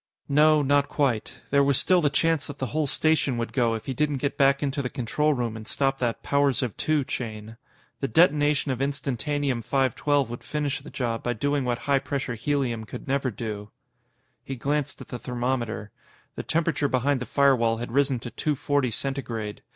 No, not quite. There was still the chance that the whole station would go if he didn't get back into the control room and stop that "powers of two" chain. The detonation of Instantanium 512 would finish the job by doing what high pressure helium could never do. He glanced at the thermometer. The temperature behind the firewall had risen to two forty Centigrade.